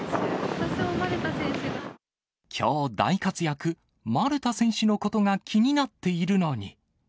きょう、大活躍、丸田選手のことが気になっているのに。